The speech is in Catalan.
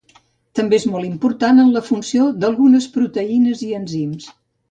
També és molt important en la funció d'algunes proteïnes i enzims.